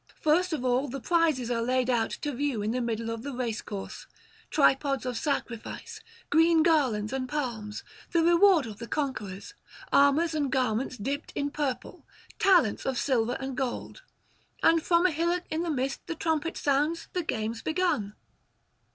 First of all the prizes are laid out to view in the middle of the racecourse; tripods of sacrifice, green garlands and palms, the reward of the conquerors, armour and garments dipped in purple, talents of silver and gold: and from a hillock in the midst the trumpet sounds the games begun.